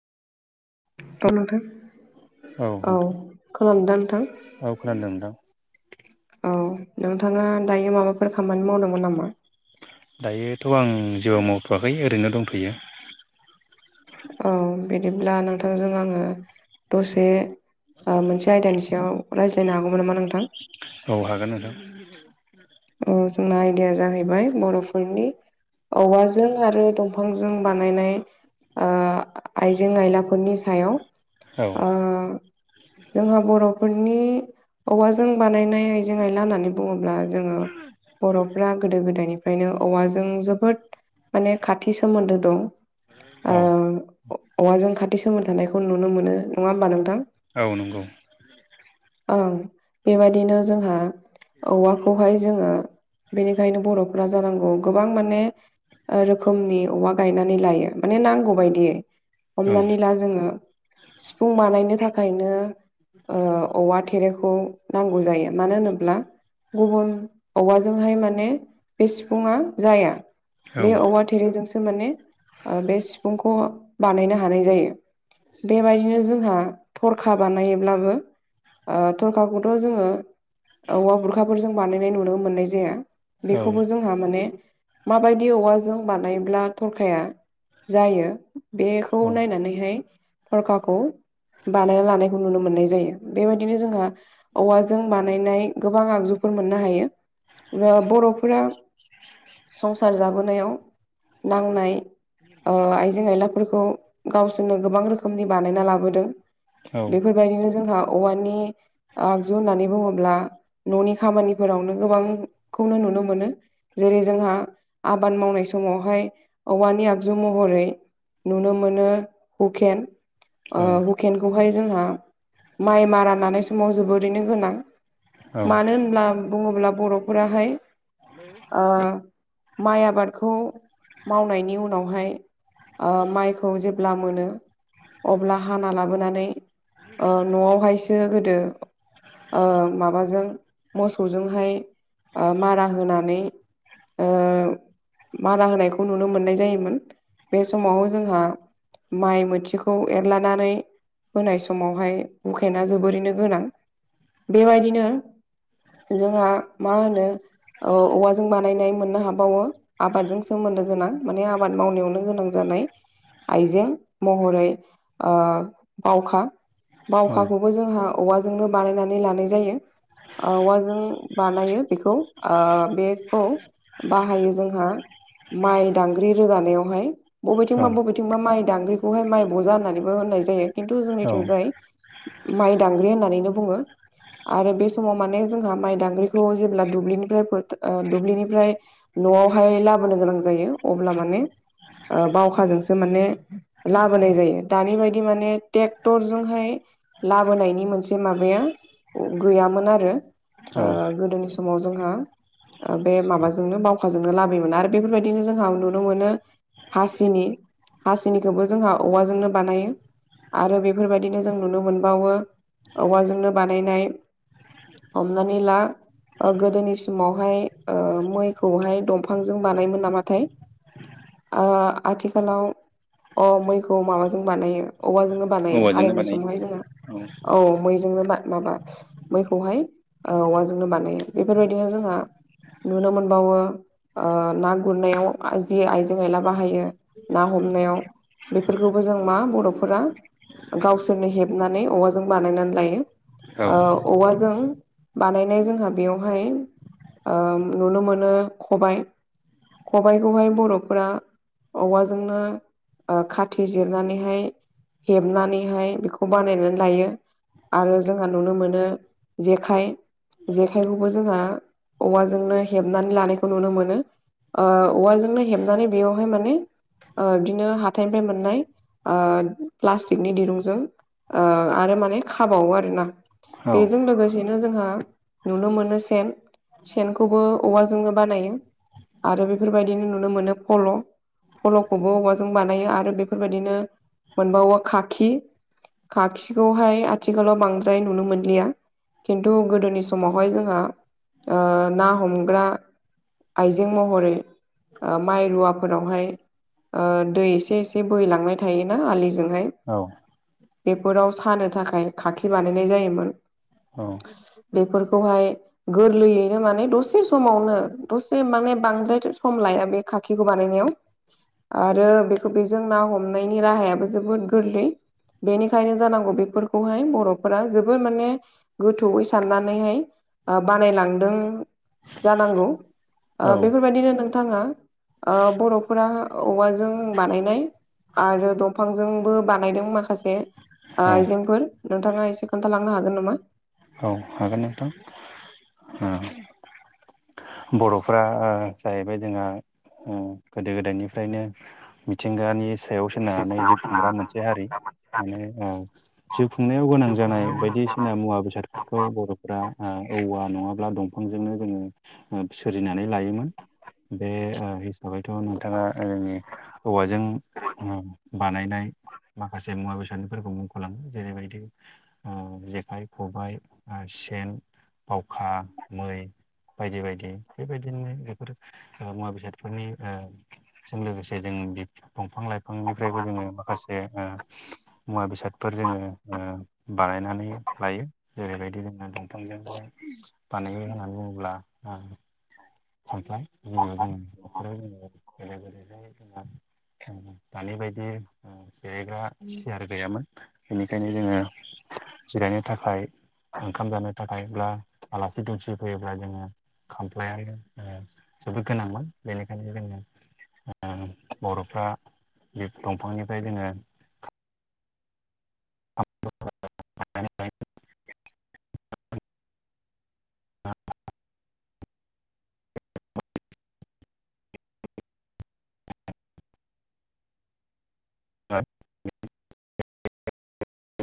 औ नोंथां औ खानादोंना नोंथां? औ खोनादों नोंथां। औ नोंथाङा दायो माबाफोर खामानि मावदोंमोन नामा? दायोथ' आं जेबो मावथ'वाखै ओरैनो दंथ'यो। औ बिदिब्ला नोंथांजों आङो दसे मोनसे आयदानि‌ सायाव सायाव रायज्लायनो हागौमोन नामा नोंथां? औ हागोनो नोंथां। [inaudible] ओ जोंना आयदाया जाहैबाय बर'फोरनि औवाजों आरो दंफांजों बानायनाय ओ आइजें आयलाफोरनि सायाव औ ओ आ जोंहा बर'फोरनि औवाजों बानायनाय आइजें आयला होन्नानै बुङोब्ला जोङो ओ बर'फ्रा गोदो गोदायनिफ्रायनो औवाजों जोबोद माने खाथि सोमोन्दो दं। औ ओ औवाजों खाथि सोमोन्दो थानायखौ नुनो मोनो नङा होमबा नोंथां? औ नंगौ। ओं बेबादिनो जोंहा औवाखौहाय जोङो बेनिखायनो बर'फोरा जानांगौ गोबां माने ओ रोखोमनि औवा गायनानै लायो माने नांगौ बादियै औ हमनानै ला जोङो सिफुं बानायनो थाखायनो औवा थेरेखौ नांगौ जायो मानो होनोब्ला गुबुन औवाजोंहाय माने बे सिफुङा जाया औ बे औवा थेरे थोरिजोंसो माने ओ बे सिफुंखौ बानायनो हानाय जायो। बेबायदिनो जोंहा थरखा बानायोब्लाबो। ओ थरखाखौथ' जोङो औवा बुरखाफोरजों बानायनाय नुनो मोननाय जाया ओ। औ बेखौबो जोंहा माने माबायदि औवाजों बानायब्ला थरखाया जायो। बेखौ औ नायनानैहाय थरखाखौ बानायना लानायखौ नुनो मोननाय जायो। बेबायदिनो जोंहा औवाजों बानायनाय गोबां आगजुफोर ओ हायो ओ बर'फोरा संसार जाबोनायाव नांनाय ओ आइजें आइला फोरखौ गावसोरनो गोबां रोखोमनि बानायना लाबोदो औ बेफोरो बेफोरबायदिनो जोंहा औवानि होननानै बुङोब्ला न'नि खामानि फोरावनो गोबांखौनो नुनो मोनो ओ। जेरै जोंहा आबाद मावनाय समावहाय औवानि आगजु महरै ओ नुनो मोनो हुखेन। हुखेनखौहाय जोंहा माइ मारा नानाय समाव जोबोरैनो गोनां। मानो होनब्ला बुङोब्ला बर'फोराहाय ओ माइ आबादखौ मावनायनि उनावहाय ओ माइखौ जेब्ला मोनो अब्ला हाना लाबोनानै ओ न'आवहाय बिदिनो गोदो ओ माबाजों मोसौजोंहाय ओ मारा होनानै माना होनायखौ नुनो मोननाय जायोमोन बे समाव जोंहा माइ मोथिखौ एरलानानै होनाय समावहाय उखैना खेना जोबोरैनो गोनां बेबायदिनो जोंहा मा होनो औवाजों बानाय नाय मोननो हावो आबादजों सोमोन्द गोनां माने आबाद मावनायावनो गोनां जानाय आइजें महरै ओ बावखा मावखाखौबो जोंहा औवाजोंनो बानायनानै लानाय जायो औवाजों ओ बानायो बेखौ ओ बेखौ जों बेखौ बाहायो जोंहा माइ दांग्रि रोगानायावहाय। औ बबेथिंबा बबेथिंबा माइ दांग्रिखौहाय माइ बजा होननानैबो होननाय जायो। खिन्थु औ जोंनिथिंजाय माइ दांग्रि होननानैनो बुंङो आरो बे समाव माने जोंहा माइ दांग्रिखौ जेब्ला दुब्लिनिफ्राय ओ दुब्लिनिफ्राय न'आवहाय लाबोनो गोनां जायो। अब्ला माने ओ बावखाजोंसो माने लाबोनाय जायो दानि बायदि माने ट्रेक्टरजोंहाय लाबोनायनि मोनसे माबाया गैयामोन आरो औ गोदोनि सम समाव जोंहा बे माबाजोंनो बावखाजोंनो लाबोमोन आरो बेफोरबायदिनो जोंहा नुनो मोनो हासिनि हासिनिखौबो जोंहा औवाजोंनो बानायो। आरो बेफोरबायदिनो जों नुनो मोनबावो औवाजोंनो बानायनाय हमनानै ला गोदोनि समावहाय मैखौहाय दंफांजों बानायमोन नामाथाय? ओ आथिखालाव अ मैखौ माबाजों बानायो औबवाजोंनो बानायो औवाजोंनो हालु बानायो समावहाय जोंङो औ मैजोंनो मा माबा मैखौहाय औवाजोंनो बानायो बेफोरबायदिनो जोंहा नुनो मोनबावो ना गुरनायाव जि आइजें आयला बाहायो ना हमनायाव बेफोरखौबो जों मा बर'फोरा गावसोरनो हेबनानै औवाजों बानायनानै लायो औ ओ औवाजों बानायनाय जोंहा बेवहाय ओ नुनो मोनो खबायाइ खबायाइखौहाय बर'फोरा औवाजोंनो खाथि जिरनानैहाय हेबनानैहाय बेखौ बानायनानै लायो आरो जोंहा नुनो मोनो। जेखाइ जेखाइखौबो जोंहा औवाजोंनो हेबनानै लानायखौ नुनो मोनो। ओ औवाजोंनो हेबनानै बेयावहाय माने ओ बिदिनो हाथाइनिफ्राय मोननाय ओ प्लास्टिकनि दिरुंजों आरो माने खाबावो आरो ना औ बेजों लोगोसे बिदिनो जोंहा नुनो मोनो सेन सेनखौबो औवाजोंनो बानायो। आरो बेफोरबायदिनो नुनो मोनो फल' फल'खौबो औवाजों बानायो आरो बेफोरबायदिनो मोनबा औवा खाखि खाखिखौहाय आथिखालाव बांद्राय नुनो मोनलिया। खिन्थु गोदोनि समावहाय जोंहा ना हमग्रा आइजें महरै ओ माइ रुवाफोर दै एसे एसे बोहैलांनाय थायोना आलिजोंहाय औ बेफोराव सानो थाखाय खाखि बानायनाय जायोमोन। औ। बेफोरखौहाय गोरलैयैनो माने दसे समावनो दसे माने बांद्राय सम लाया बे खा आाखिखौ बानायनायाव आरो बेखौ बेजों ना हमनायनि राहायाबो जोबोद गोरलै बेनिखायनो जानांगौ बेफोरखौहाय बर'फोरा जोबोद माने गोथौयै साननानैहाय बानायलांदों जानांगौ। ओ औ बेफोरबायदिनो नोंथाङा बर'फोरा औवाजों बानायनाय आरो दंफांजोंबो बानायदों माखासे ओ औ आइजेंफोर नोंथाङा एसे खोन्थालांनो हागोन नामा? औ हागोन नोंथां। बर'फ्रा जाहैबाय जोंहा गोदो गोदायनिफ्रायनो मिथिंगानि सायाव सोनारनानै जे खुंग्रा मोनसे हारि माने औ जिउ खुंनायाव गोनां जानाय बायदिसिना मुवा बेसाद फोरखौ बर'फोरा औवा नङाब्ला दंफांजोंनो जोङो सोरजिनानै लायोमोन बे बायथ' नोंथाङा जोंनि औवाजों बानायनाय माखासे मुवा बेसादफोरखौ मुंख'लाङो जेरैबायदि ओ जेखाइ खबबाय सेन बावखा मै बायदि बायदि बेबायदिनो बेफोर मुवा बेसादफोरनि ओ जों लोगोसे जों दंफां लाइफांनिफ्रायबो जोङो माखासे मुवा बेसादफोर जोङो ओ बानायनानै लायो। जेरैबायदि जोङो दंफांजोंहाय बानायो होननानै बुङोब्ला थामफ्लाय [unintelligible] जों न'खराव गोदो गोदायहाय जोंहा दानि बायदि जिरायग्रा सियार गैयामोन बेनिखायनो जोङो जिरायनो थाखाय ओंखाम जानो थाखायब्ला आलासि दुमसि फैयोब्ला जोङो खामफ्लाय जोबोद गोनांमोन बेनिखायनो जोङो बर'फ्रा बे दंफांनिफ्राय जोङो [unintelligible] [unintelligible]